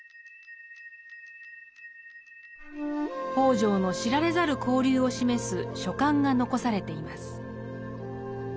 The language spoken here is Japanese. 北條の知られざる交流を示す書簡が残されています。